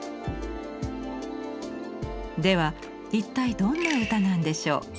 では一体どんな歌なんでしょう。